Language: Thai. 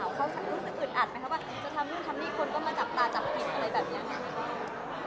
ว่าจะงานที่คนก็มาจับอาจจะหริบอะไรแบบนี้